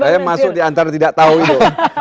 saya masuk diantara tidak tahu itu